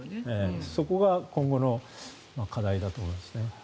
そこが今後の課題だと思いますね。